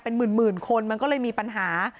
เป็นหมื่นคนมันก็เลยมีปัญหา